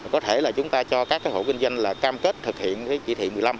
có thể là chúng ta cho các hộ kinh doanh là cam kết thực hiện chỉ thị một mươi năm